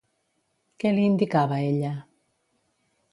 Què li indicava ella?